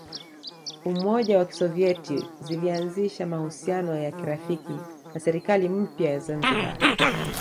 Umoja wa Kisovyeti zilianzisha mahusiano ya kirafiki na serikali mpya ya Zanzibar